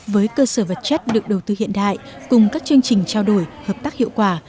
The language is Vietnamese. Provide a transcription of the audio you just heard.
với cơ sở vật chất được đầu tư hiện đại cùng các chương trình trao đổi hợp tác hiệu quả